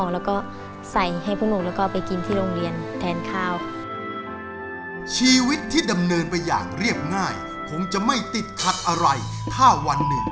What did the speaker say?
แล้วก็ใส่ให้พวกหนูแล้วก็ไปกินที่โรงเรียนแทนข้าว